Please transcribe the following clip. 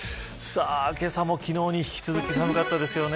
けさも昨日に引き続き寒かったですよね。